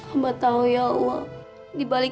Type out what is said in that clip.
amat tahu ya allah